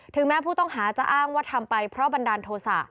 แม้ผู้ต้องหาจะอ้างว่าทำไปเพราะบันดาลโทษะ